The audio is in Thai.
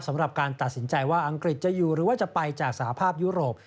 สำหรับการตัดสินใจว่าอังกฤษจะอยู่หรือว่าจะไปจากสหภาพยุโรป